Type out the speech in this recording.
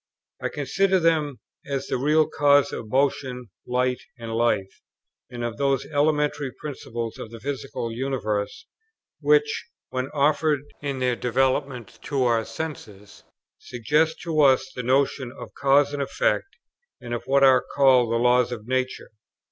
I considered them as the real causes of motion, light, and life, and of those elementary principles of the physical universe, which, when offered in their developments to our senses, suggest to us the notion of cause and effect, and of what are called the laws of nature.